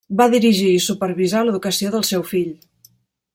Va dirigir i supervisar l'educació del seu fill.